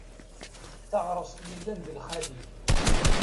Taɣṛast yellan d lxali.